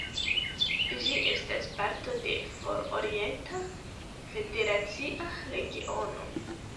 Ĝi estas parto de For-orienta federacia regiono.